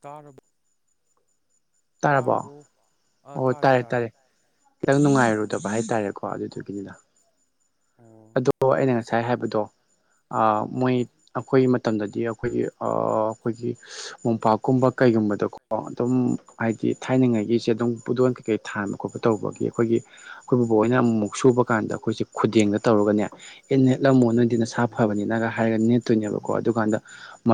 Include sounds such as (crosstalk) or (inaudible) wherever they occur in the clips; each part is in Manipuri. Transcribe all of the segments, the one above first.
ꯇꯥꯔꯔꯕ ꯇꯥꯔꯕꯣ ꯑꯣ ꯇꯥꯔꯦ ꯇꯥꯔꯦ ꯈꯤꯇꯪ ꯅꯨꯡꯉꯥꯏꯔꯨꯗꯕ ꯍꯥꯏꯇꯥꯔꯦꯀꯣ ꯑꯗꯨꯗꯨꯒꯤꯅꯤꯗ ꯑꯣ ꯑꯗꯣ ꯍꯣꯏ ꯑꯩꯅ ꯀꯩꯁꯨ ꯉꯁꯥꯏ ꯍꯥꯏꯕꯗꯣ ꯃꯣꯏ ꯑꯩꯈꯣꯏ ꯃꯇꯝꯗꯗꯤ ꯑꯩꯈꯣꯏꯒꯤ ꯑꯩꯈꯣꯏꯒꯤ ꯃꯣꯝꯄꯥꯛꯀꯨꯝꯕ ꯀꯩꯒꯨꯝꯕ ꯗꯀꯣ ꯑꯗꯨꯝ ꯍꯥꯏꯗꯤ ꯊꯥꯏꯅꯉꯥꯏꯒꯤꯁꯦ ꯑꯗꯨꯝ ꯈꯨꯗꯣꯟ ꯀꯩꯀꯩ ꯊꯥꯟꯕ ꯈꯣꯠꯄ ꯇꯧꯕꯒꯤ ꯑꯩꯈꯣꯏꯒꯤ ꯑꯩꯈꯣꯏ ꯕꯣꯏꯅ ꯑꯃꯨꯛ ꯁꯨꯕ ꯀꯥꯟꯗ ꯑꯩꯈꯣꯏꯁꯦ ꯈꯨꯗꯦꯡꯗ ꯇꯧꯔꯨꯒꯅꯦ ꯑꯦ ꯅꯦꯠꯂꯝꯃꯣ ꯅꯗꯤ ꯅꯁꯥ ꯐꯕꯅꯤꯅꯒ ꯍꯥꯏꯔꯒ ꯅꯦꯠꯇꯣꯏꯅꯦꯕꯀꯣ ꯑꯗꯨꯀꯥꯟꯗ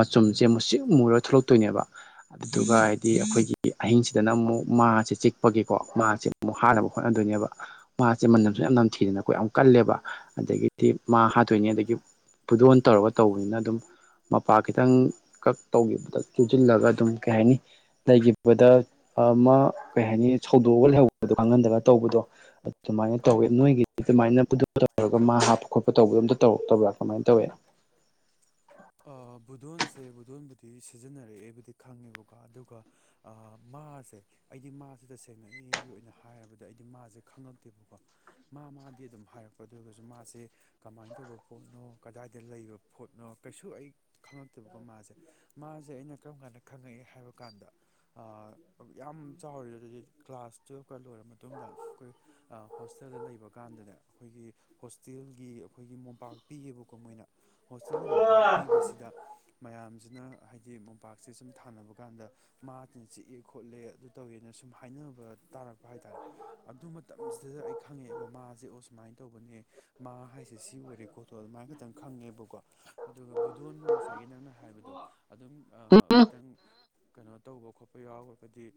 ꯆꯨꯝꯁꯦ ꯑꯃꯨꯁꯤꯛ ꯃꯨꯔꯒ ꯊꯣꯛꯂꯛꯇꯣꯏꯅꯦꯕ ꯑꯗꯨꯗꯨꯒ ꯍꯥꯏꯗꯤ ꯑꯩꯈꯣꯏꯒꯤ ꯑꯍꯤꯡꯁꯤꯗꯅ ꯑꯃꯨꯛ ꯃꯥꯁꯤ ꯁꯤ ꯆꯤꯛꯄꯒꯤꯀꯣ ꯃꯥꯁꯦ ꯑꯃꯨꯛ ꯍꯥꯟꯅꯕ ꯍꯣꯠꯅꯗꯣꯏꯅꯦꯕ ꯃꯥꯁꯦ ꯃꯅꯝꯁꯨ ꯌꯥꯝ ꯅꯝꯊꯤꯗꯅ ꯑꯩꯈꯣꯏ ꯌꯥꯝ ꯀꯜꯂꯦꯕ ꯑꯗꯒꯤꯗꯤ ꯃꯥ ꯍꯥꯠꯇꯣꯏꯅꯤ ꯑꯗꯒꯤ ꯐꯗꯣꯟ ꯇꯧꯔꯒ ꯇꯧꯕꯅꯤꯅ ꯑꯗꯨꯝ ꯃꯄꯥ ꯈꯤꯇꯪ ꯀꯛ ꯇꯧꯈꯤꯕꯗ ꯇꯨꯁꯤꯜꯂꯒ ꯑꯗꯨꯝ ꯀꯩ ꯍꯥꯏꯅꯤ ꯂꯩꯈꯤꯕꯗ ꯑꯃ ꯀꯩ ꯍꯥꯏꯅꯤ ꯁꯧꯗꯣꯛꯑꯒ ꯂꯩꯍꯧꯕ ꯈꯪꯍꯟꯗ ꯇꯧꯕꯗꯣ ꯑꯗꯨꯃꯥꯏꯅ ꯇꯧꯋ ꯅꯣꯏꯒꯤꯅ ꯇꯧꯔꯒ ꯃꯥ ꯍꯥꯞꯄ ꯈꯣꯠꯄ ꯇꯧꯕꯗ ꯑꯝꯇ ꯇꯧꯔꯛꯇꯕ꯭ꯔꯥ ꯀꯃꯥꯏꯅ ꯇꯧꯋꯦ ꯗꯣꯟꯁꯦ ꯕꯨꯗꯣꯟꯕꯨꯗꯤ ꯁꯤꯖꯤꯟꯅꯔꯛꯑꯦꯕꯨꯗꯤ ꯈꯪꯉꯦꯕꯀꯣ ꯑꯗꯨꯒ ꯃꯥꯁꯦ ꯑꯩꯗꯤ ꯃꯥꯁꯤꯗ ꯁꯦꯡꯅꯛꯏꯒꯤ ꯑꯣꯏꯅ ꯍꯥꯏꯔꯕꯗ ꯑꯩꯗꯤ ꯃꯥꯁꯦ ꯈꯪꯉꯛꯇꯦꯕꯀꯣ ꯃꯥ ꯃꯥꯗꯤ ꯑꯗꯨꯝ ꯍꯥꯏꯔꯛꯄ ꯑꯗꯨꯒꯁꯨ ꯃꯥꯁꯦ ꯀꯃꯥꯏꯅ ꯇꯧꯕ ꯄꯣꯠꯅꯣ ꯀꯗꯥꯏꯗ ꯂꯩꯕ ꯄꯣꯠꯅꯣ ꯀꯩꯁꯨ ꯑꯩ ꯈꯪꯉꯛ ꯑꯗꯨꯕꯨꯀꯣ ꯃꯥꯁꯦ ꯃꯥꯁꯦ ꯑꯩꯅ ꯀꯔꯝ ꯀꯥꯟꯗ ꯈꯪꯉꯛꯑꯦ ꯍꯥꯏꯕ ꯀꯥꯟꯗ ꯌꯥꯝ ꯆꯥꯎꯔꯤ ꯑꯗꯨꯗꯤ ꯀ꯭ꯂꯥꯁ ꯇꯨꯌꯦꯜꯐꯀ ꯂꯣꯏꯔꯕ ꯃꯇꯨꯡꯗ ꯑꯩꯈꯣꯏ ꯍꯣꯁꯇꯦꯜꯗ ꯂꯩꯕ ꯀꯥꯟꯗ ꯗꯅꯦ ꯑꯩꯈꯣꯏꯒꯤ ꯍꯣꯁꯇꯦꯜꯒꯤ ꯑꯩꯈꯣꯏꯒꯤ ꯃꯣꯝꯄꯥꯛ ꯄꯤꯌꯦꯕꯀꯣ ꯃꯣꯏꯅ ꯍꯣꯁꯇꯦꯜꯒꯤ ꯃꯣꯝꯄꯥꯛ ꯄꯤꯕꯁꯤꯗ ꯃꯌꯥꯝꯁꯤꯅ ꯍꯥꯏꯗꯤ ꯃꯣꯝꯄꯥꯛꯁꯦ ꯁꯨꯝ ꯊꯥꯅꯕ ꯀꯥꯟꯗ ꯃꯥꯁꯤꯅ ꯆꯤꯛꯑꯦ ꯈꯣꯠꯂꯦ ꯑꯗꯨ ꯇꯧꯋꯦꯅ ꯁꯨꯝ ꯍꯥꯏꯅꯕ ꯇꯥꯔꯛꯄ ꯍꯥꯏꯇꯥꯔꯦ ꯑꯗꯨ ꯃꯇꯝꯁꯤꯗ ꯑꯩ ꯈꯪꯉꯛꯑꯦꯕ ꯃꯥꯁꯦ ꯑꯣ ꯁꯨꯃꯥꯏꯅ ꯇꯧꯕꯅꯦ ꯃꯥ ꯍꯥꯏꯁꯦ ꯁꯤ ꯑꯣꯏꯔꯦ ꯈꯣꯇꯣ ꯑꯗꯨꯃꯥꯏꯅ ꯈꯛꯇꯪ ꯈꯪꯉꯦꯕꯀꯣ ꯑꯗꯨꯒ ꯕꯨꯙꯣꯟꯅ ꯉꯁꯥꯏ ꯉꯁꯥꯏꯒꯤ ꯅꯪꯅ ꯍꯥꯏꯕꯗꯣ ꯑꯗꯨꯝ ꯈꯤꯇꯪ ꯀꯩꯅꯣ ꯇꯧꯕ ꯈꯣꯠꯄ ꯌꯥꯎꯔꯒꯗꯤ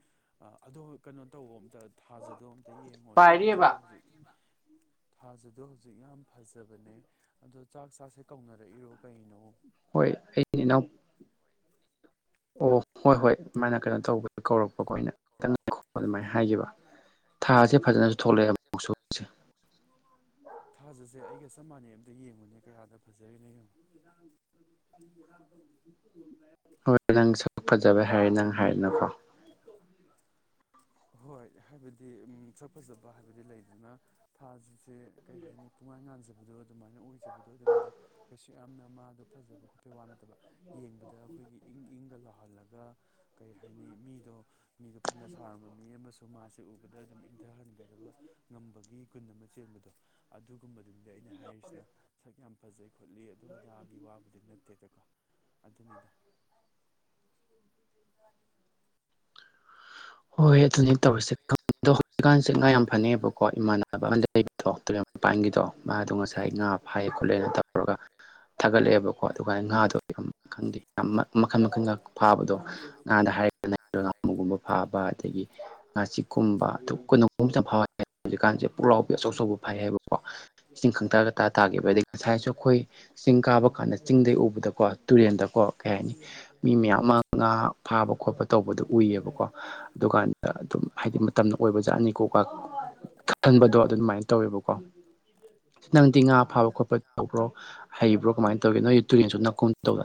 ꯑꯗꯣ ꯀꯩꯅꯣ ꯇꯧꯕ ꯑꯝꯇ ꯊꯥꯖꯗꯣ ꯑꯝꯇ ꯌꯦꯡꯉꯣ ꯄꯥꯏꯔꯤꯑꯕ ꯊꯥꯁꯤꯗꯣ ꯍꯧꯖꯤꯛ ꯊꯥꯖꯗꯣ ꯍꯧꯖꯤꯛ ꯌꯥꯝ ꯐꯖꯕꯅꯦ ꯑꯗꯣ ꯆꯥꯛ ꯆꯥꯛꯁꯦ ꯀꯧꯅꯔꯛꯏꯔꯣ ꯀꯩꯅꯣ ꯍꯣꯏ ꯑꯩ ꯏꯅꯥꯎ ꯑꯣ ꯍꯣꯏ ꯍꯣꯏ ꯃꯥꯅ ꯀꯩꯅꯣ ꯇꯧꯕ ꯀꯧꯔꯛꯄꯀꯣ ꯑꯩꯅ ꯈꯤꯇꯪ ꯑꯗꯨꯃꯥꯏꯅ ꯍꯥꯏꯈꯤꯕ ꯊꯥꯁꯦ ꯐꯖꯅꯁꯨ ꯊꯣꯛꯂꯛꯑꯦ ꯑꯃꯨꯛꯁꯨꯁꯦ ꯊꯥꯖꯁꯦ ꯑꯩꯒ ꯆꯞ ꯃꯥꯟꯅꯩ ꯑꯝꯇ ꯌꯦꯡꯉꯨꯅꯦ ꯀꯌꯥꯗ ꯐꯖꯔꯤ ꯂꯩꯔꯅꯣ (unintelligible) ꯍꯣꯏ ꯅꯪ ꯁꯛ ꯐꯖꯕ ꯍꯥꯏꯔ ꯅꯪ ꯍꯥꯏꯅꯨꯀꯣ ꯍꯣꯏ ꯍꯥꯏꯕꯗꯤ ꯁꯛ ꯐꯖꯕ ꯍꯥꯏꯕꯗꯤ ꯂꯩꯗꯅ ꯊꯥꯁꯤꯡꯁꯦ ꯀꯩ ꯍꯥꯏꯅꯤ ꯄꯨꯡꯉꯥꯟ ꯉꯥꯟꯖꯕꯅꯤ ꯑ ꯑꯗꯨꯃꯥꯏꯅ ꯑꯣꯏꯖꯕꯗꯣ ꯑꯗꯨꯅꯤꯗ ꯀꯩꯁꯨ ꯌꯥꯝꯅ ꯃꯥꯗꯣ ꯐꯖꯕ ꯈꯣꯠꯄꯩ ꯋꯥ ꯅꯠꯇꯕ ꯌꯦꯡꯕꯗ ꯑꯩꯈꯣꯏꯒꯤ ꯏꯪ ꯏꯪꯒ ꯂꯥꯎꯍꯜꯂꯒ ꯀꯔꯤ ꯍꯥꯏꯅꯤ ꯃꯤꯗꯣ ꯃꯤꯗꯣ ꯐꯅ ꯁꯥꯔꯝꯕ ꯃꯤ ꯑꯃꯁꯨ ꯃꯥꯁꯦ ꯎꯕꯗ ꯑꯗꯨꯝ ꯏꯪꯊꯍꯟꯒꯗꯕ ꯉꯝꯕꯒꯤ ꯀꯨꯟ ꯑꯃ ꯆꯦꯟꯕꯗꯣ ꯑꯗꯨꯒꯨꯝꯕꯗꯨꯅꯤꯗꯤ ꯑꯩꯅ ꯍꯥꯏꯔꯤꯁꯤꯅ ꯁꯛ ꯌꯥꯝ ꯐꯖꯩ ꯈꯣꯠꯂꯤ ꯑꯗꯨ ꯑꯗꯥꯒꯤ ꯋꯥꯕꯨꯗꯤ ꯅꯠꯇꯦꯗꯀꯣ ꯑꯗꯨꯅꯤꯗ (inaudible) ꯍꯣꯏ ꯍꯣꯏ ꯑꯗꯨꯅꯦ ꯇꯧꯔꯤꯁꯦꯗꯣ ꯍꯧꯖꯤꯛꯀꯥꯟ ꯉꯥ ꯌꯥꯝ ꯐꯅꯉꯑꯕꯀꯣ ꯏꯃꯥꯟꯅꯕ ꯑꯃ ꯂꯩꯕꯗꯣ ꯑꯗꯨ ꯄꯥꯟꯒꯤꯗꯣ ꯃꯥꯗꯣ ꯉꯁꯥꯏ ꯉꯥ ꯐꯥꯏ ꯈꯣꯠꯂꯦꯅ ꯇꯧꯔꯒ ꯊꯥꯒꯠꯂꯛꯑꯦꯕꯀꯣ ꯑꯗꯨꯒꯥꯏꯅ ꯉꯥꯗꯣ ꯈꯪꯗꯦ ꯃꯈꯜ ꯃꯈꯜ ꯐꯥꯕꯗꯣ ꯉꯥꯗ ꯍꯥꯏꯔꯒ ꯐꯥꯕ ꯑꯗꯒꯤ ꯉꯥꯆꯤꯛꯀꯨꯝꯕ (unintelligible) ꯍꯧꯖꯤꯀꯥꯟꯖꯦ ꯄꯨꯂꯥꯎ ꯇꯧꯕ ꯐꯩ ꯍꯥꯏꯕꯀꯣ ꯏꯁꯤꯡ ꯈꯪꯇꯥ ꯇꯥꯒꯤꯕ ꯑꯗꯒꯤ ꯉꯁꯥꯏꯁꯨ ꯑꯩꯈꯣꯏ ꯆꯤꯡ ꯀꯥꯕ ꯀꯥꯟꯗ ꯆꯤꯡꯗꯩ ꯎꯕꯗꯀꯣ ꯇꯨ ꯀꯣ ꯀꯩ ꯍꯥꯏꯅꯤ ꯃꯤ ꯃꯌꯥꯝ ꯑꯃ ꯉꯥ ꯐꯥꯕ ꯈꯣꯠꯄ ꯇꯧꯕꯗꯨꯣ ꯎꯏꯌꯦꯕꯀꯣ ꯑꯗꯨꯀꯥꯟꯗ ꯑꯗꯨꯝ ꯍꯥꯏꯗꯤ ꯃꯇꯝꯅ ꯑꯣꯏꯕ ꯖꯥꯠꯅꯤꯀꯣꯀ ꯀꯥꯍꯟꯕꯗꯣ ꯑꯗꯨꯃꯥꯏꯅ ꯇꯧꯋꯦꯕꯀꯣ ꯅꯪꯗꯤ ꯉꯥ ꯐꯥꯕ ꯈꯣꯠꯄ ꯇꯧꯕ꯭ꯔꯣ ꯍꯩꯕ꯭ꯔꯣ ꯀꯃꯥꯏꯅ ꯇꯧꯒꯦ ꯅꯣꯏ ꯇꯨꯔꯦꯟꯁꯨ ꯅꯀꯨꯝ ꯇꯧꯗ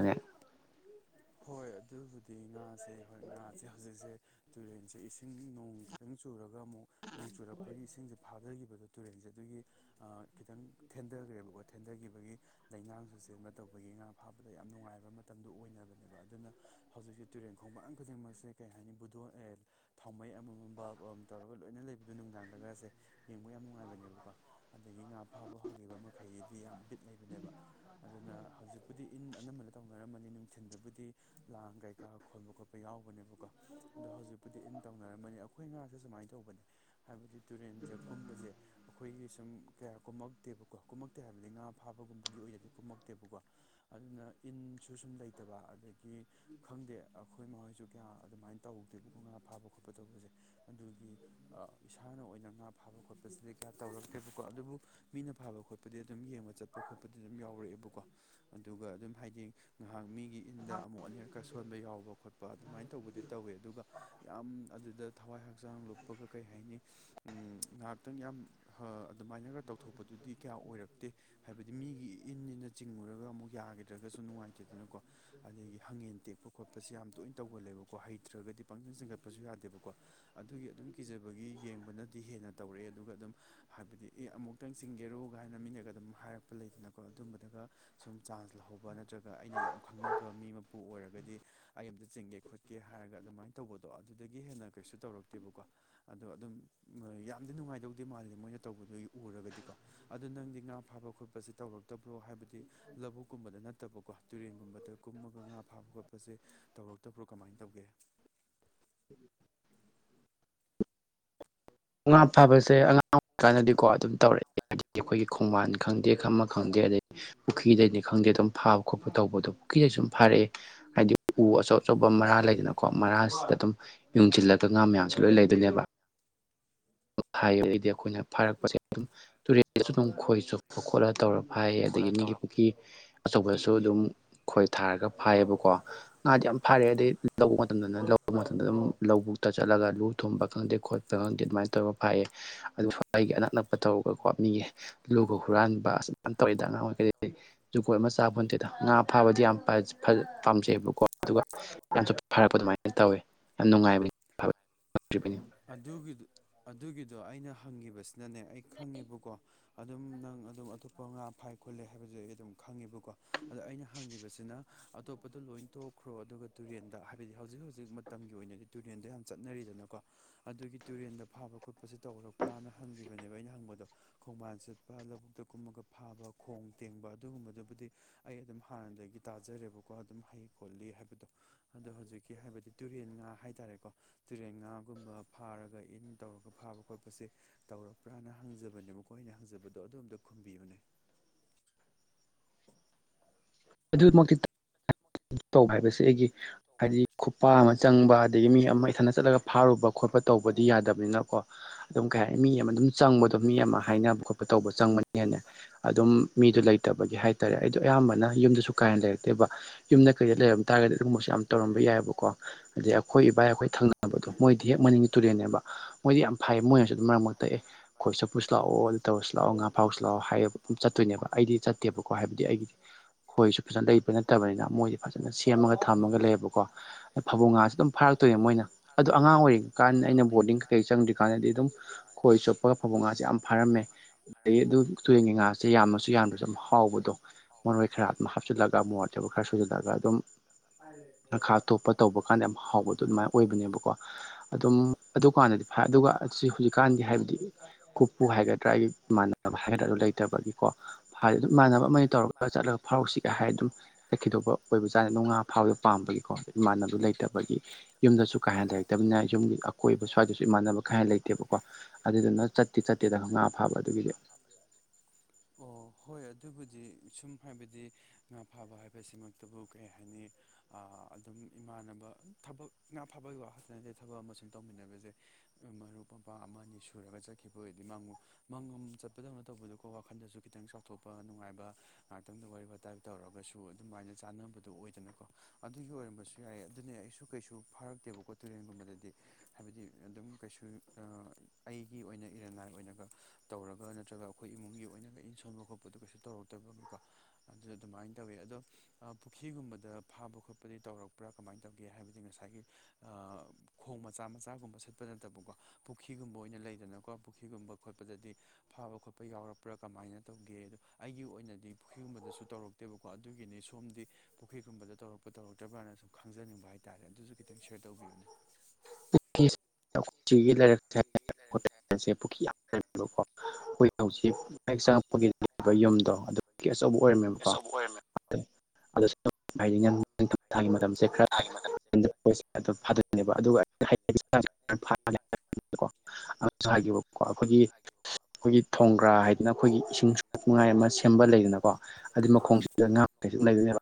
ꯍꯣꯏ ꯑꯗꯨꯕꯨꯗꯤ ꯉꯥꯁꯦ ꯍꯣꯏ ꯉꯥꯁꯦ ꯍꯧꯖꯤꯛꯁꯦ ꯇꯨꯔꯦꯟꯁꯦ ꯏꯁꯤꯡ ꯅꯣꯡ ꯈꯤꯇꯪ ꯆꯨꯔꯒ ꯑꯃꯨꯛ ꯆꯨꯔꯛꯄꯒꯤ ꯏꯁꯤꯡꯁꯦ ꯐꯥꯊꯈꯤꯕꯗꯣ ꯇꯨꯔꯦꯜꯁꯦ ꯑꯗꯨꯒꯤ ꯈꯤꯇꯪ ꯊꯦꯟꯊꯈ꯭ꯔꯦꯕꯀꯣ ꯊꯦꯟꯊꯈꯤꯕꯒꯤ ꯂꯩꯉꯥꯡꯁꯨ ꯆꯦꯟꯕ ꯇꯧꯕꯒꯤ ꯉꯥ ꯐꯥꯕꯗ ꯌꯥꯝ ꯅꯨꯡꯉꯥꯏꯕ ꯃꯇꯝꯗ ꯑꯣꯏꯅꯕꯅꯦꯕ ꯑꯗꯨꯅ ꯍꯧꯖꯤꯛꯁꯦ ꯇꯨꯔꯦꯟ ꯈꯣꯡꯕꯥꯟ ꯈꯨꯗꯤꯡꯃꯛꯁꯦ ꯀꯩ ꯍꯥꯏꯅꯤ ꯕꯨꯗ ꯊꯥꯎꯃꯩ ꯑꯃꯃꯝꯕ ꯇꯧꯔꯒ ꯂꯣꯏꯅ ꯂꯩꯕꯗꯣ ꯅꯨꯡꯗꯥꯡꯗꯒꯔꯁꯦ ꯌꯦꯡꯕ ꯌꯥꯝ ꯅꯨꯡꯉꯥꯏꯕꯅꯦꯕꯀꯣ ꯑꯗꯒꯤ ꯉꯥ ꯐꯥꯕ ꯍꯧꯈꯤꯕ ꯃꯈꯩꯒꯤꯗꯤ ꯌꯥꯝ ꯕꯤꯠ ꯂꯩꯕꯅꯦꯕ ꯑꯗꯨꯅ ꯍꯧꯖꯤꯛꯄꯨꯗꯤ ꯏꯟ ꯇꯧꯅꯔꯃꯅꯤ ꯅꯨꯡꯊꯤꯟꯜꯗꯕꯨꯗꯤ ꯂꯥꯡ ꯀꯩꯀꯥ ꯈꯣꯟꯕ ꯈꯣꯠꯄ ꯌꯥꯎꯕꯅꯦꯕꯀꯣ ꯑꯗꯣ ꯍꯧꯖꯤꯛꯄꯨꯗꯤ ꯏꯟ ꯇꯧꯅꯔꯝꯃꯅꯤ ꯑꯩꯈꯣꯏ ꯉꯁꯦ ꯁꯨꯃꯥꯏꯅ ꯇꯧꯕꯅꯦ ꯍꯥꯏꯕꯗꯤ ꯇꯨꯔꯦꯟꯁꯦ ꯀꯨꯝꯕꯁꯦ ꯑꯩꯈꯣꯏꯒꯤ ꯁꯨꯝ ꯀꯌꯥ ꯀꯨꯝꯃꯛꯇꯦꯕꯀꯣ ꯀꯨꯝꯃꯛꯇꯦ ꯍꯥꯏꯕꯗꯤ ꯉꯥ ꯐꯥꯕꯒꯨꯝꯕꯒꯤ ꯑꯣꯏꯅꯗꯤ ꯀꯨꯝꯃꯛꯇꯦꯕꯀꯣ ꯑꯗꯨꯅ ꯏꯟꯁꯨ ꯁꯨꯝ ꯂꯩꯇꯕ ꯑꯗꯒꯤ ꯈꯪꯗꯦ ꯑꯩꯈꯣꯏꯃꯥꯍꯣꯢꯁꯨ ꯀꯌꯥ ꯑꯗꯨꯃꯥꯏꯅ ꯇꯧꯒꯦ ꯉꯥ ꯐꯥꯕ ꯈꯣꯠꯄ ꯇꯧꯕꯁꯦ ꯑꯗꯨꯒꯤ ꯏꯁꯥꯅ ꯑꯣꯏꯅ ꯉꯥ ꯐꯥꯕ ꯈꯣꯠꯄꯁꯤꯗꯤ ꯀꯌꯥ ꯇꯧꯋꯦ ꯔꯛꯀꯦꯕꯀꯣ ꯑꯗꯨꯕꯨ ꯃꯤꯅ ꯐꯥꯕ ꯈꯣꯠꯄꯗꯤ ꯑꯗꯨꯝ ꯌꯦꯡꯕ ꯆꯠꯄ ꯈꯣꯠꯄꯗꯤ ꯑꯗꯨꯝ ꯌꯥꯎꯔꯛꯑꯦꯕꯀꯣ ꯑꯗꯨꯒ ꯑꯗꯨꯝ ꯍꯥꯏꯗꯤ ꯉꯥꯏꯍꯥꯛ ꯃꯤꯒꯤ ꯏꯟꯗ ꯑꯃꯨꯛ ꯑꯅꯤꯔꯛꯀ ꯁꯣꯟꯕ ꯌꯥꯎꯕ ꯈꯣꯠꯄ ꯑꯗꯨꯃꯥꯏꯅ ꯇꯧꯕꯗꯤ ꯇꯧꯋꯦ ꯑꯗꯨꯒ ꯌꯥꯝ ꯑꯗꯨꯗ ꯊꯋꯥꯏ ꯍꯛꯆꯥꯡ ꯂꯨꯞꯄꯒ ꯀꯩ ꯍꯥꯏꯅꯤ ꯉꯍ ꯉꯥꯏꯍꯥꯛꯇꯪ ꯌꯥꯝ ꯑꯗꯨꯃꯥꯏꯅꯒ ꯇꯧꯊꯣꯛꯄꯗꯨꯗꯤ ꯀꯌꯥ ꯑꯣꯏꯔꯛꯇꯦ ꯍꯥꯏꯕꯗꯤ ꯃꯤꯒꯤ ꯏꯅ ꯆꯤꯡ ꯌꯥꯒꯤꯗ꯭ꯔꯒꯖꯨ ꯅꯨꯡꯉꯥꯏꯇꯦꯗꯅꯀꯣ ꯑ ꯍꯪꯉꯦꯟ ꯇꯦꯛꯄ ꯈꯣꯠꯄꯁꯦ ꯌꯥꯝ ꯇꯣꯏꯅ ꯇꯧꯒꯜꯂꯦꯕꯀꯣ ꯍꯩꯇ꯭ꯔꯒꯗꯤ ꯄꯪꯖꯪ ꯆꯤꯡꯒꯠꯄꯁꯨ ꯌꯥꯗꯦꯕꯀꯣ ꯑꯗꯨꯒꯤ ꯑꯗꯨꯝ ꯀꯤꯖꯕꯒꯤ ꯌꯦꯡꯕꯅꯗꯤ ꯍꯦꯟꯅ ꯇꯧꯔꯛꯑꯦ ꯑꯗꯨꯒ ꯑꯗꯨꯝ ꯍꯥꯏꯕꯗꯤ ꯑꯦ ꯑꯃꯨꯛꯇꯪ ꯆꯤꯡꯒꯦꯔꯣꯒꯥꯏꯅ ꯃꯤꯅꯒ ꯑꯗꯨꯝ ꯍꯥꯏꯔꯛꯄ ꯂꯩꯗꯅꯀꯣ ꯑꯗꯨꯝꯕꯗꯒ ꯁꯨꯝ ꯆꯥꯟꯁ ꯂꯧꯍꯧꯕ ꯅꯠꯇ꯭ꯔꯒ ꯑꯩꯅ ꯌꯥꯝ ꯈꯪꯅꯕ ꯃꯤ ꯃꯄꯨ ꯑꯣꯏꯔꯒꯗꯤ ꯑꯩ ꯑꯃꯝꯇ ꯆꯤꯡꯒꯦ ꯈꯣꯠꯀꯦ ꯍꯥꯏꯔꯒ ꯑꯗꯨꯃꯥꯏꯅ ꯇꯧꯕꯗꯣ ꯑꯗꯨꯗꯒꯤ ꯍꯦꯟꯅ ꯀꯩꯁꯨ ꯇꯧꯔꯛꯇꯦꯕꯀꯣ ꯑꯗꯣ ꯑꯗꯨꯝ ꯌꯥꯝꯗꯤ ꯅꯨꯡꯉꯥꯏꯗꯧꯗꯦ ꯃꯥꯜꯜꯂꯤ ꯃꯣꯏꯅ ꯇꯧꯕꯗꯨꯒꯤ ꯎꯔꯒꯗꯤꯀꯣ ꯑꯗꯨꯗ ꯅꯪꯗꯤ ꯉꯥ ꯐꯥꯕ ꯈꯣꯠꯄꯁꯦ ꯇꯧꯔꯛꯇꯕ꯭ꯔꯣ ꯍꯥꯏꯕꯗꯤ ꯂꯧꯕꯨꯛꯀꯨꯝꯕꯗ ꯅꯠꯇꯕꯀꯣ ꯇꯨꯔꯦꯟꯒꯨꯝꯕꯗ ꯀꯨꯝꯃꯒ ꯉꯥ ꯐꯥꯕ ꯈꯣꯠꯄꯁꯦ ꯇꯧꯔꯛꯇꯕ꯭ꯔꯣ ꯀꯃꯥꯏꯅ ꯇꯧꯒꯦ (unintelligible) ꯉ ꯉꯥ ꯐꯥꯕꯁꯦ ꯑꯉꯥꯡ ꯑꯣꯏꯔꯤꯀꯥꯟꯗꯗꯤꯀꯣ ꯑꯗꯨꯝ ꯇꯧꯔꯛꯑꯦ ꯑꯩꯈꯣꯏꯒꯤ ꯈꯣꯡꯕꯥꯟ ꯈꯪꯗꯦ ꯈꯃ ꯈꯪꯗꯦ ꯑꯗꯗꯒꯤ ꯄꯨꯈ꯭ꯔꯤꯗꯅꯤ ꯈꯪꯗꯦ ꯑꯗꯨꯝ ꯐꯥꯕ ꯈꯣꯠꯄ ꯇꯧꯕꯗꯣ ꯄꯨꯈꯗ ꯁꯨꯝ ꯐꯥꯔꯛꯑꯦ ꯍꯥꯏꯗꯤ ꯎ ꯑꯆꯧ ꯑꯆꯧꯕ ꯃꯔꯥ ꯂꯩꯗꯅꯀꯣ ꯃꯔꯥꯁꯤꯗ ꯑꯗꯨꯝ ꯌꯨꯡꯁꯤꯜꯂꯒ ꯉꯥ ꯃꯌꯥꯝꯁꯨ ꯂꯣꯏ ꯂꯩꯗꯣꯏꯅꯦꯕ ꯎ ꯍꯥꯏꯕꯗꯩꯗꯤ ꯑꯩꯈꯣꯏꯅ ꯐꯥꯔꯛꯄꯁꯦ ꯑꯗꯨꯝ ꯇꯨꯔꯦꯜꯁꯨ ꯑꯗꯨꯝ ꯈꯣꯏ ꯆꯨꯞꯄ ꯈꯣꯠꯂ ꯇꯧꯔꯛꯄ ꯍꯥꯏ ꯑꯗꯒꯤ ꯃꯤꯒꯤ ꯄꯨꯈ꯭ꯔꯤ ꯑꯆꯧꯕꯁꯨ ꯑꯗꯨꯝ ꯈꯣꯏ ꯊꯥꯔꯒ ꯐꯥꯏꯌꯦꯕꯀꯣ ꯉꯥꯗꯤ ꯌꯥꯝ ꯐꯥꯔꯦ ꯑꯗꯩ ꯂꯧꯕ ꯃꯇꯝꯗꯅ ꯂꯧꯕ ꯃꯇꯝꯗ ꯑꯗꯨꯝ ꯂꯧꯕ ꯆꯂꯒ ꯂꯨ ꯊꯣꯡꯨꯝꯕ ꯀꯥꯡꯦꯣ ꯪ ꯈꯪꯗꯦ ꯑꯗꯨꯃꯥꯏꯅ ꯇꯧꯔꯒ ꯐꯥꯏꯌꯦ ꯑꯗꯨ꯭ꯋꯥꯏꯒꯤ ꯑꯅꯥꯛ ꯅꯛꯄ ꯇꯧꯔꯒ ꯀ꯭ꯞꯅꯤꯡꯉꯦ ꯂꯨꯒ ꯍꯨꯔꯥꯟꯕ ꯁꯅ ꯇꯧꯋꯤꯗ ꯑꯉꯥꯡ ꯑꯣꯏꯈꯩꯗꯤ ꯖꯒꯣꯏ ꯑꯃ ꯆꯥꯕ ꯅꯠꯇꯦꯗ ꯉꯥ ꯐꯥꯕꯗꯤ ꯌꯥꯝ ꯄꯥꯝꯖꯩꯑꯕꯀꯣ ꯑꯗꯨꯒ ꯌꯥꯝ ꯐ ꯍꯥꯏꯔꯛꯄ ꯑꯗꯨꯃꯥꯏꯅ ꯇꯧꯋꯦ ꯌꯥꯝ ꯅꯨꯡꯉꯥꯏꯕꯅꯤ ꯑꯗꯨꯒꯤ ꯑꯗꯨꯒꯤꯗꯣ ꯑꯩꯅ ꯍꯪꯉꯤꯕꯁꯤꯅꯅꯦ ꯑꯩ ꯈꯪꯉꯦꯕꯀꯣ ꯑꯗꯨꯝ ꯅꯪ ꯑꯗꯨꯝ ꯑꯇꯣꯞꯄ ꯉꯥ ꯐꯥꯏ ꯈꯣꯠꯂꯦ ꯍꯥꯏꯕꯁꯦ ꯑꯩ ꯑꯗꯨꯝ ꯈꯪꯉꯦꯕꯀꯣ ꯑꯗꯣ ꯑꯩꯅ ꯍꯪꯉꯤꯕꯁꯤꯅ ꯑꯇꯣꯞꯄꯗꯣ ꯂꯣꯏ ꯇꯣꯛꯈ꯭ꯔꯣ ꯑꯗꯨꯒ ꯇꯨꯔꯦꯟꯗ ꯍꯥꯏꯕꯗꯤ ꯍꯧꯖꯤꯛ ꯍꯧꯖꯤꯛ ꯃꯇꯝꯒꯤ ꯑꯣꯏꯅꯗꯤ ꯇꯨꯔꯦꯟꯗꯣ ꯌꯥꯝ ꯆꯠꯅꯔꯤꯗꯅꯀꯣ ꯑꯗꯨꯒꯤ ꯇꯨꯔꯦꯟꯗ ꯐꯥꯕ ꯈꯣꯠꯄꯁꯦ ꯇꯧꯔꯛꯄ꯭ꯔꯥꯅ ꯍꯪꯈꯤꯕꯅꯦꯕ ꯑꯩꯅ ꯍꯪꯕꯗꯣ ꯈꯣꯡꯕꯥꯟ ꯆꯠꯄ ꯂꯧꯕꯨꯛꯇ ꯀꯨꯝꯃꯒ ꯐꯥꯕ ꯈꯣꯡ ꯇꯦꯡꯕ ꯑꯗꯨꯒꯨꯝꯕꯗꯨꯕꯨꯗꯤ ꯑꯩ ꯑꯗꯨꯝ ꯍꯥꯟꯅꯗꯒꯤ ꯇꯥꯖꯔꯦꯕꯀꯣ ꯑꯗꯨꯝ ꯍꯩ ꯈꯣꯠꯂꯤ ꯍꯥꯏꯕꯗꯣ ꯑꯗꯣ ꯍꯧꯖꯤꯛꯀꯤ ꯍꯥꯏꯕꯗꯤ ꯇꯨꯔꯦꯟ ꯉꯥ ꯍꯥꯏꯇꯥꯔꯦꯀꯣ ꯒꯨꯝꯕ ꯐꯥꯔꯒ ꯏꯟ ꯇꯧꯔꯒ ꯐꯥꯕ ꯈꯣꯠꯄꯁꯦ ꯇꯧꯄ꯭ꯔꯅ ꯍꯪꯖꯕꯅꯦꯕ ꯃꯈꯣꯏ ꯑꯩꯅ ꯍꯪꯖꯕꯗꯣ ꯑꯗꯣꯝꯇ ꯈꯨꯝꯕꯤꯕꯅꯦ (unintelligible) ꯑꯗꯨ ꯃ ꯀ (inaudible) ꯇꯧꯕ ꯍꯥꯏꯕꯁꯦ ꯑꯩꯒꯤ ꯍꯥꯏꯗꯤ ꯈꯨꯄꯥ ꯑꯃ ꯆꯪꯕ ꯑꯗꯒꯤ ꯃꯤ ꯑꯃ ꯏꯊꯟꯗ ꯆꯠꯂꯒ ꯐꯥꯔꯨꯕ ꯈꯣꯠꯄ ꯇꯧꯕ ꯗꯤ ꯌꯥꯗꯕꯅꯤꯅꯀꯣ ꯑꯗꯨꯝ ꯀꯩ ꯍꯥꯏꯅꯤ ꯃꯤ ꯑꯃ ꯑꯗꯨꯝ ꯆꯪꯕꯗꯣ ꯃꯤ ꯑꯃ ꯍꯥꯏꯅꯕ ꯈꯣꯠꯄ ꯇꯧꯕ ꯆꯪꯕꯅꯤꯅꯦ ꯑꯗꯨꯝ ꯃꯤꯗꯨ ꯂꯩꯇꯕꯒꯤ ꯍꯥꯏ ꯇꯥꯔꯦ ꯑꯩꯗꯣ ꯑꯌꯥꯝꯕꯅ ꯌꯨꯝꯗꯁꯨ ꯀꯥ ꯍꯦꯟꯅ ꯂꯩꯔꯛꯇꯦꯕ ꯌꯨꯝꯗ ꯀꯩꯗ ꯂꯩꯔꯝ ꯇꯥꯔꯒꯗꯤ ꯑꯗꯨꯒꯨꯝꯕꯁꯨ ꯌꯥꯝ ꯇꯧꯔꯝꯕ ꯌꯥꯏꯑꯕꯀꯣ ꯑꯗꯩ ꯑꯩꯈꯣꯏ ꯏꯕꯥꯏ ꯑꯩꯈꯣꯏ ꯊꯪꯅꯕꯗꯣ ꯃꯣꯏꯗꯤ ꯍꯦꯛ ꯃꯅꯤꯡꯒꯤ ꯇꯨꯔꯦꯟꯅꯦꯕ ꯃꯣꯏꯗꯤ ꯌꯥꯝ ꯐꯩꯌꯦ ꯃꯣꯏꯅꯁꯨ ꯑꯗꯨꯝ ꯃꯔꯛ ꯃꯔꯛꯇ ꯑꯦ ꯈꯣꯢ ꯆꯨꯞꯄꯨꯁꯦ ꯂꯥꯛꯑꯣ ꯇꯧꯔꯁꯤ ꯂꯥꯛꯑꯣ ꯂꯥꯛꯑꯣ ꯉꯥ ꯐꯥꯎꯁꯤ ꯂꯥꯛꯑꯣ ꯍꯥꯏ ꯑꯗꯨꯝ ꯆꯠꯇꯣꯏꯅꯦꯕ ꯑꯩꯗꯤ ꯆꯠꯇꯦꯕꯀꯣ ꯍꯥꯏꯕꯗꯤ ꯑꯩꯒꯤꯗꯤ ꯈꯣꯏꯁꯨ ꯐꯖꯅ ꯂꯩꯕ ꯅꯠꯇꯕꯅꯤꯅ ꯃꯣꯏꯗꯤ ꯐꯖꯅ ꯁꯦꯝꯃꯒ ꯊꯝꯃꯒ ꯂꯩꯌꯦꯕꯀꯣ ꯐꯕꯨꯡ ꯉꯥꯁꯦ ꯑꯗꯨꯝ ꯐꯥꯔꯛꯇꯣꯏꯅꯦ ꯃꯣꯏꯅ ꯑꯗꯣ ꯑꯉꯥꯡ ꯑꯣꯏꯔꯤꯉꯩꯗ ꯀꯥꯟ ꯑꯩꯅ ꯕꯣꯔꯗꯤꯡ ꯀꯩꯀꯩ ꯆꯪꯗ꯭ꯔꯤꯀꯥꯟꯗꯗꯤ ꯑꯗꯨꯝ ꯈꯣꯏ ꯆꯣꯞꯄꯒ ꯐꯕꯨꯡ ꯉꯥꯁꯦ ꯌꯥꯝ ꯐꯥꯔꯝꯃꯦ ꯑ ꯑꯗꯨ ꯇꯨꯔꯦꯟꯒꯤ ꯉꯥꯁꯦ ꯌꯥꯝꯃꯁꯨ ꯌꯥꯝꯗ꯭ꯔꯁꯨ ꯑꯗꯨꯝ ꯍꯥꯎꯕꯗꯣ ꯃꯔꯣꯏ ꯈꯔ ꯑꯗꯨꯝ ꯍꯥꯞꯆꯤꯜꯂꯒ ꯃꯣꯔꯣꯛ ꯑꯇꯦꯛꯄ ꯈꯔ ꯁꯣꯢꯖꯟꯂꯒ ꯑꯗꯨꯝ ꯉꯈꯥ ꯑꯇꯣꯞꯄ ꯇꯧꯕ ꯀꯥꯟꯗ ꯌꯥꯝ ꯍꯥꯎꯕꯗꯣ ꯑꯗꯨꯃꯥꯏꯅ ꯑꯣꯏꯕꯅꯦꯕꯀꯣ ꯑꯗꯨꯝ ꯑꯗꯨꯀꯥꯟꯗꯗꯤ ꯐꯔ ꯑꯗꯨꯒ ꯑꯁꯤ ꯍꯧꯖꯤꯛꯀꯥꯟꯗꯤ ꯍꯥꯏꯕꯗꯤ ꯀꯄꯨ ꯍꯥꯏꯒ꯭ꯔꯥ ꯑꯩꯒ ꯃꯥꯟꯅꯕ ꯍꯥꯏꯒꯗ꯭ꯔꯥ ꯑꯗꯨ ꯂꯩꯇꯕꯒꯤ ꯀꯣ ꯍꯥꯢꯗꯤ ꯑꯗꯨꯝ ꯃꯥꯟꯅꯕ ꯑꯃ ꯇꯧꯔꯒ ꯆꯠꯂꯒ ꯐꯥꯎꯔꯛꯁꯤꯒ ꯍꯥꯏꯔ ꯑꯗꯨꯝ ꯆꯠꯈꯤꯗꯧꯕ ꯑꯣꯏꯕꯖꯥꯠꯅꯤ ꯉꯥ ꯐꯥꯕꯗ ꯄꯥꯝꯕꯒꯤꯀꯣ ꯏꯃꯥꯟꯅꯕ ꯂꯩꯇꯕꯒꯤ ꯌꯨꯝꯗꯁꯨ ꯀꯥ ꯍꯦꯟ ꯂꯩꯔꯛꯇꯕꯅꯤ ꯌꯨꯝꯒꯤ ꯑꯀꯣꯏꯕ ꯁ꯭ꯋꯥꯏꯗꯁꯨ ꯏꯃꯥꯟꯅꯕ ꯈꯩꯥꯏ ꯂꯩꯇꯦꯕꯀꯣ ꯑꯗꯨꯗꯨꯅ ꯆꯠꯇꯦ ꯆꯠꯇꯦꯗ ꯐꯥꯕ ꯑꯗꯨꯒꯤꯗꯤ ꯑꯣ ꯍꯣꯏ ꯑꯗꯨ ꯑꯗꯨꯕꯨꯗꯤ ꯁꯨꯝ ꯍꯥꯏꯕꯗꯤ ꯉꯥ ꯐꯥꯕ ꯍꯥꯏꯕꯁꯤꯃꯛꯇꯕꯨ ꯀꯔꯤ ꯍꯥꯏꯅꯤ ꯑꯗꯨꯝ ꯏꯃꯥꯟꯅꯕ ꯊꯕꯛ ꯉꯥ ꯐꯥꯕꯒꯤ ꯋꯥꯁꯨ ꯅꯠꯇꯦ ꯊꯕꯛ ꯑꯃ ꯁꯨꯝ ꯇꯧꯃꯤꯟꯅꯕꯁꯦ ꯃꯔꯨꯞ ꯃꯄꯥꯡ ꯑꯃ ꯑꯅꯤ ꯁꯨꯔꯒ ꯆꯠꯈꯤꯕ ꯑꯣꯏꯗꯤ ꯃꯉꯨ ꯃꯪꯉꯣꯝ ꯆꯠꯄꯗꯧꯅ ꯇꯧꯕꯗꯨꯀꯣ ꯋꯥꯈꯟꯗꯁꯨ ꯈꯤꯇꯪ ꯆꯥꯎꯊꯣꯛꯄ ꯅꯨꯡꯉꯥꯏꯕ ꯉꯥꯛꯇꯪꯗ ꯋꯥꯔꯤ ꯋꯥꯇꯥꯏ ꯇꯧꯔꯦ ꯇꯧꯔꯒꯁꯨ ꯑꯗꯨꯃꯥꯏꯅ ꯆꯥꯅꯕꯗꯣ ꯑꯣꯏꯗꯅꯀꯣ ꯑꯗꯨꯒꯤ ꯑꯣꯏꯔꯝꯕꯁꯨ ꯌꯥꯏ ꯑꯗꯨꯅꯦ ꯑꯩꯁꯨ ꯀꯩꯁꯨ ꯐꯥꯔꯛꯇꯦꯕ ꯀꯣ ꯇꯨꯔꯦꯟꯒꯨꯝꯕꯗꯗꯤ ꯍꯥꯏꯕꯗꯤ ꯑꯗꯨꯝ ꯀꯩꯁꯨ ꯑꯩꯒꯤ ꯑꯣꯏꯅ ꯏꯔꯟꯅꯥꯏ ꯑꯣꯏꯅꯒ ꯇꯧꯔꯒ ꯅꯠꯇ꯭ꯔꯒ ꯑꯩꯈꯣꯏ ꯏꯃꯨꯡꯒꯤ ꯑꯣꯏꯅꯒ ꯏꯟꯁꯣꯟꯕ ꯈꯣꯠꯄꯗꯣ ꯀꯩꯁꯨ ꯇꯧꯔꯛꯇꯕꯒꯤꯀꯣ ꯑꯗꯨꯗ ꯑꯗꯨꯃꯥꯏꯅ ꯇꯧꯋꯤ ꯑꯗꯣ ꯄꯨꯈ꯭ꯔꯤꯒꯨꯝꯕꯗ ꯐꯥꯕ ꯈꯣꯠꯄ ꯇꯔꯛꯄ꯭ꯔꯥ ꯀꯃꯥꯏꯅ ꯇꯧꯒꯦ ꯍꯥꯏꯕꯗꯤ ꯉꯁꯥꯏꯒꯤ ꯈꯣꯡ ꯃꯆꯥ ꯃꯆꯥꯒꯨꯝꯕ ꯁꯤꯠꯄ ꯅꯠꯇꯕꯀꯣ ꯄꯨꯈ꯭ꯔꯤꯒꯨꯝꯕ ꯑꯣꯏꯅ ꯂꯩꯗꯅꯀꯣ ꯄꯨꯈ꯭ꯔꯤꯒꯨꯝꯕ ꯈꯣꯠꯄ ꯈꯠꯄꯗꯗꯤ ꯐꯥꯕ ꯈꯣꯠꯄ ꯌꯥꯎꯔꯛꯄ꯭ꯔꯥ ꯀꯃꯥꯏꯅ ꯇꯧꯒꯦ ꯑꯗꯣ ꯑꯩꯒꯤ ꯑꯣꯏꯅꯗꯤ ꯄꯨꯈꯔꯤꯒꯨꯝꯕꯗꯁꯨ ꯇꯧꯔꯛꯇꯦꯕ ꯀꯣ ꯑꯗꯨꯒꯤꯅꯤ ꯁꯣꯝꯗꯤ ꯄꯨꯈ꯭ꯔꯤꯒꯨꯝꯕꯗ ꯇꯧꯔꯛꯄ ꯇꯧꯔꯛꯇ꯭ꯔꯕ꯭ꯔꯥꯅ ꯁꯨꯝ ꯈꯪꯖꯅꯤꯡꯕ ꯍꯥꯏꯇꯥꯔꯦ ꯑꯗꯨꯁꯨ ꯈꯤꯇꯪ ꯁꯦꯌꯔ ꯇꯧꯕꯤ ꯕꯅꯦ (inaudible) ꯑꯩꯈꯣꯏ ꯍꯧꯖꯤꯛꯛ ꯆꯪꯉꯛꯄꯒꯤ ꯂꯩꯔꯤꯕ ꯌꯨꯝꯗꯣ ꯑꯗꯨ ꯑꯆꯧꯕ ꯑꯣꯏꯔꯝꯃꯦꯕꯀꯣ ꯍꯥꯏꯗꯤꯊ ꯊꯥꯒꯤ ꯃꯇꯝꯗ ꯁꯦ ꯈꯔ ꯐꯗꯣꯏꯅꯦꯕ ꯑꯗꯨꯒ ꯑꯗꯨ ꯍꯥꯏꯀꯣ ꯑꯩꯈꯣꯏꯒꯤ ꯑꯩꯈꯣꯏꯒꯤ ꯊꯣꯡꯒ꯭ꯔꯥ ꯍꯥꯏꯗꯅ ꯑꯩꯈꯣꯏꯒꯤ ꯏꯁꯤꯡ ꯅꯨꯡꯉꯥꯏ ꯑꯃ ꯁꯦꯝꯕ ꯂꯩꯗꯅꯀꯣ ꯑꯗꯨꯏ ꯃꯈꯣꯡꯁꯤꯗ ꯉ ꯀꯩꯁꯨ ꯂꯩꯗꯣꯏꯅꯦꯕ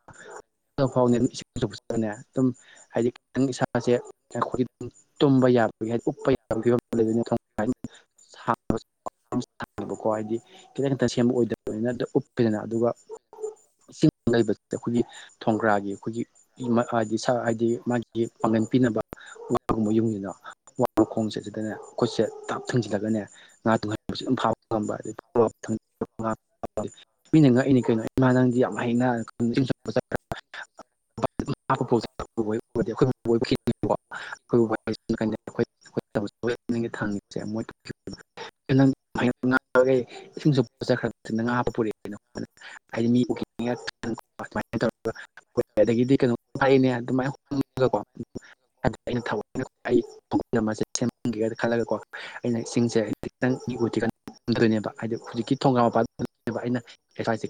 ꯐꯥꯎ ꯑꯗꯨꯝ ꯏꯁꯤꯡꯕꯅꯦ ꯑꯗꯨꯝ ꯍꯥꯏꯗꯤ ꯈꯤꯇꯪ ꯏꯁꯥꯁꯦ ꯑꯩꯈꯣꯏꯒꯤ ꯇꯨꯝꯕ ꯌꯥꯕ ꯎꯞꯄ ꯐꯤꯕꯝ ꯂꯩꯕꯅꯤ ꯕꯀꯣ ꯍꯥꯏꯗꯤ ꯈꯤꯇꯪ ꯈꯤꯇ ꯁꯦꯝꯕ ꯑꯣꯏꯗꯕꯅꯤꯅ ꯎꯞꯈꯤꯗꯅ ꯑꯗꯨꯒ ꯤꯡ ꯂꯩꯕꯁꯤ ꯑꯩꯈꯣꯏꯒꯤ ꯊꯣꯡꯒ꯭ꯔꯥꯒꯤ ꯑꯩꯈꯣꯏꯒꯤ ꯍꯥꯏꯗꯤ ꯍꯥꯏꯗꯤ ꯃꯥꯒꯤ ꯄꯤꯅꯕꯒꯨꯝꯕ ꯌꯨꯝꯁꯤꯗ ꯃꯈꯣꯡ ꯆꯠꯁꯤꯗꯅꯦ ꯈꯨꯠꯁꯦ ꯊꯥꯞ ꯊꯨꯡꯖꯤꯜꯂꯒꯅꯦ ꯉꯥ ꯇꯣꯡꯍꯟꯕꯁꯨ ꯑꯗꯨꯝ ꯐꯥꯕ ꯉꯝꯕ ꯑꯗꯩ ꯃꯤꯅ ꯉꯛꯏꯅꯦ ꯀꯩꯅꯣ ꯏꯃꯥ ꯅꯪꯗꯤ ꯌꯥꯝ ꯍꯩꯅ (inaudible) (unintelligible) ꯑꯩꯈ ꯊꯥꯡꯉꯁꯦ ꯃꯣꯏ (inaudible) (inaudible) ꯑꯗꯒꯤꯗꯤ ꯀꯩꯅꯣ ꯐꯅꯦ ꯑꯗꯨꯃꯥꯏꯅꯀꯣ ꯍꯥꯏ ꯑꯩꯅ ꯊ ꯁꯦꯝꯍꯟꯒꯦꯅ ꯈꯜꯂꯒꯀꯣ ꯑꯩꯅ ꯏꯁꯤꯡꯁꯦ ꯍꯥꯏ ꯈꯤꯇꯪ ꯗꯣꯏꯅꯦꯕ ꯍꯥꯏꯗꯤ ꯍꯧꯖꯤꯛꯀꯤ ꯊꯣꯡꯒꯥ ꯃꯄꯥ ꯑꯩꯅ ꯑꯦꯚꯁ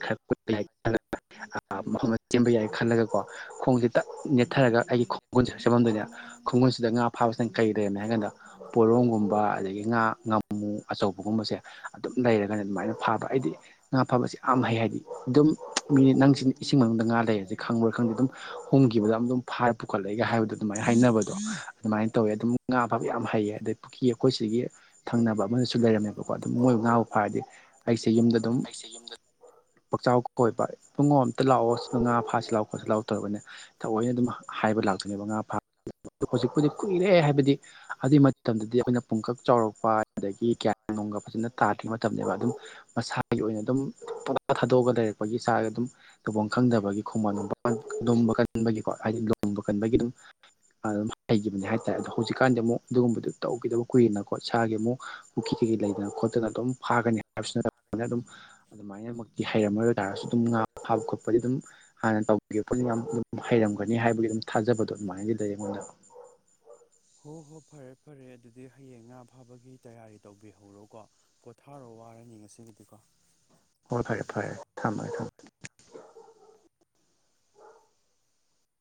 ꯃꯐꯝꯗ ꯆꯦꯟꯕ ꯌꯥꯏ ꯈꯜꯂꯒꯀꯣ ꯈꯣꯡꯁꯦ ꯇ ꯅꯦꯠꯊꯔꯒ ꯑꯩꯒꯤ ꯈꯣꯡꯒꯨꯟꯁꯦ ꯁꯛꯆꯐꯝꯗꯨꯅ ꯈꯨꯡꯒꯪꯁꯤꯗ ꯉꯥ ꯐꯥꯕꯁꯤꯅ ꯀꯩ ꯂꯩꯦꯅ ꯍꯥꯏ ꯀꯥꯟꯗ ꯄꯣꯔꯣꯝꯒꯨꯝꯕ ꯑꯗꯒꯤ ꯉꯥ ꯉꯥꯃꯨ ꯑꯆꯧꯕꯒꯨꯝꯕꯁꯦ ꯑꯗꯨꯝ ꯂꯩꯔꯒꯅ ꯑꯗꯨꯃꯥꯏꯅ ꯐꯕ ꯑꯩꯗꯤ ꯉꯥ ꯐꯥꯕꯁꯤ ꯌꯥꯝ ꯍꯩ ꯍꯥꯏꯗꯤ ꯑꯗꯨꯝ ꯃꯤ ꯅꯪꯁꯤ ꯏꯁꯤꯡ ꯃꯅꯨꯡꯗ ꯉꯥ ꯂꯩꯔꯁꯦ ꯈꯪꯕ꯭ꯔꯥ ꯈꯪꯗꯦ ꯑꯗꯨꯝ ꯍꯣꯡꯈꯤꯕꯗ ꯑꯗꯨꯝ ꯑꯗꯨꯝ ꯐꯥꯔ ꯄꯨꯈꯠꯂꯛꯑꯦꯒ ꯍꯥꯏꯕꯗꯣ ꯑꯗꯨꯃꯥꯏꯅ ꯍꯥꯏꯅꯕꯗꯣ ꯑꯗꯨꯃꯥꯏꯅ ꯇꯧꯋꯦ ꯑꯗꯨꯝ ꯉꯥ ꯐꯕ ꯌꯥꯝ ꯍꯩꯌꯦ ꯑꯗꯩ ꯄꯨꯈ꯭ ꯑꯩꯈꯣꯏꯁꯤꯒꯤ ꯊꯪꯅꯕ ꯑꯃꯅꯁꯨ ꯂꯩꯔꯝꯃꯦꯕꯀꯣ ꯑꯗꯨꯝ ꯃꯣꯏꯕꯨ ꯉꯥꯕ ꯈꯣꯠ ꯐꯗꯤꯦ ꯑꯩꯁꯦ ꯌꯨꯝꯗ ꯑꯗꯨꯝ (unintelligible) (inaudible) ꯄꯨꯥꯛꯆꯥꯎ ꯀꯣꯏꯕ ꯄꯨꯡꯉꯣ ꯑꯃꯝꯇ ꯂꯥꯛꯑꯣ ꯃꯉꯥ ꯐꯥꯁꯤ ꯂꯥꯎ ꯈꯣꯠꯁꯤ ꯂꯥꯛꯎ ꯇꯧꯔꯤꯕꯅꯦ ꯊꯑꯣꯏꯅ ꯑꯗꯨꯝ ꯍꯥꯏꯕ ꯂꯥꯛꯇꯣꯏꯅꯦꯕ ꯉꯥ ꯐꯥ ꯍꯧꯖꯤꯛꯄꯖꯤꯛ ꯀꯨꯏꯔꯦ ꯍꯥꯏꯕꯗꯤ ꯑꯗꯨꯏ ꯃꯇꯝꯗꯗꯤ ꯑꯩꯈꯣꯏꯅ ꯄꯨꯡꯀꯛ ꯆꯥꯎꯔꯛꯄ ꯑꯗꯒꯤ ꯀꯌꯥ ꯅꯨꯡꯒ ꯐꯖꯅ ꯇꯥꯗ꯭ꯔꯤ ꯃꯇꯝꯅꯦꯕ ꯑꯗꯨꯝ ꯃꯁꯥꯒꯤ ꯑꯣꯏꯅ ꯑꯗꯨꯝ ꯄꯣꯇꯥ ꯊꯥꯗꯣꯛꯑꯒ ꯂꯩꯔꯛꯄꯒꯤ ꯆꯥꯛ ꯑꯗꯨꯝ ꯊꯨꯐꯝ ꯈꯪꯗꯕꯒꯤ ꯈꯨꯃꯟꯄ ꯂꯨꯝꯕ ꯀꯟꯕꯒꯤꯀꯣ ꯍꯥꯏꯗꯤ ꯂꯨꯝꯕ ꯀꯟꯕꯒꯤ ꯑꯗꯨꯝ ꯑ ꯍꯥꯏꯇꯥꯔꯦ ꯑꯗꯣ ꯍꯧꯖꯤꯛꯀꯥꯟꯗꯤ ꯑꯃꯨꯛ ꯑꯗꯨꯒꯨꯝꯕꯗꯨ ꯇꯧꯈꯤꯗꯕ ꯀꯨꯏꯅꯀꯣ ꯁꯥꯒꯤ ꯑꯃꯨꯛ ꯄꯨꯈ꯭ꯔꯤ ꯀꯩꯀꯩ ꯂꯩ ꯈꯣꯠꯇꯅ ꯑꯗꯨꯝ ꯐꯥꯒꯅꯤ ꯍꯥꯏꯕꯁꯤꯠꯇꯅ ꯑꯗꯨꯝ ꯑꯗꯨꯃꯥꯏꯅꯃꯛꯇꯤ ꯍꯩꯔꯝꯃꯔꯕ ꯇꯥꯔꯒꯁꯨ ꯑꯗꯨꯝ ꯉꯥ ꯐꯥꯕ ꯈꯣꯠꯄꯗꯤ ꯑꯗꯨꯝ ꯍꯥꯟꯅ ꯇꯧꯕꯤꯒꯦ ꯑꯗꯨꯝ ꯍꯩꯔꯝꯒꯅꯤ ꯍꯥꯏꯕꯒꯤ ꯑꯗꯨꯝ ꯊꯥꯖꯕꯗꯣ ꯑꯗꯨꯃꯥꯏꯅ ꯂꯩꯖꯩ ꯑꯩꯉꯣꯟꯗ ꯍꯣ ꯍꯣ ꯐꯔꯦ ꯐꯔꯦ ꯑꯗꯨꯗꯤ ꯍꯌꯦꯡ ꯉꯥ ꯐꯥꯕꯒꯤ ꯇꯌꯥꯔꯤ ꯇꯧꯕꯤꯍꯧꯔꯣ ꯀꯣ ꯄꯣꯊꯥꯔꯣ ꯋꯥꯔꯅꯤ ꯉꯁꯤꯒꯤꯗꯤꯀꯣ ꯍꯣꯏ ꯐꯔꯦ ꯐꯔꯦ ꯊꯝꯃꯒꯦ ꯊꯝꯃꯦ